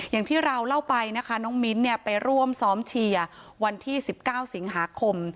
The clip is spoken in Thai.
อย่างที่เราเล่าไปนะคะน้องมิ้นไปร่วมซ้อมเชียร์วันที่๑๙สิงหาคม